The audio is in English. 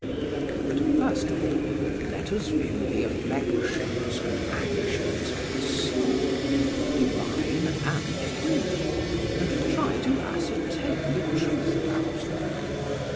But first of all, let us view the affections and actions of the soul divine and human, and try to ascertain the truth about them.